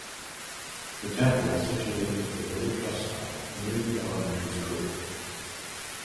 The temple is situated at the village bus stop near the elementary school.